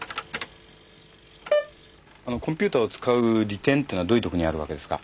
あのコンピューターを使う利点っていうのはどういうところにあるわけですか？